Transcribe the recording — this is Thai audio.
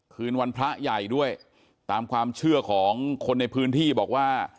คืนวันพระใหญ่ด้วยตามความเชื่อของคนในพื้นที่บอกว่า